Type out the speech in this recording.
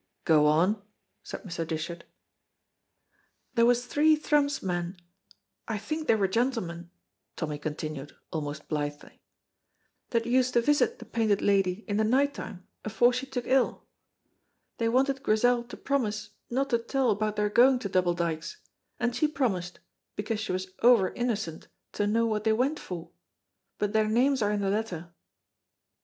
"Go on," said Mr. Dishart. "There was three Thrums men I think they were gentlemen " Tommy continued, almost blithely, "that used to visit the Painted Lady in the night time afore she took ill. They wanted Grizel to promise no to tell about their going to Double Dykes, and she promised because she was ower innocent to know what they went for but their names are in the letter."